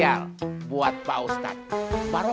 aduh aku lapar